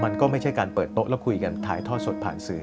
มันก็ไม่ใช่การเปิดโต๊ะแล้วคุยกันถ่ายทอดสดผ่านสื่อ